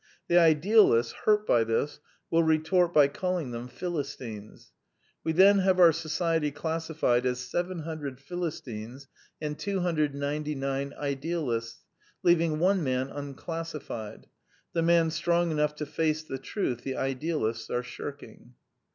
The idealists, hurt by this, will retort by calling them Philistines. We then have our society classified as 700 Philis tines and 299 idealists, leaving one man unclassi fied : the man strong enough to face the truth the idealists are shirking.